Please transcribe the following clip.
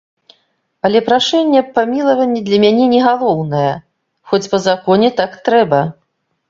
Але прашэнне аб памілаванні для мяне не галоўнае, хоць па законе так трэба.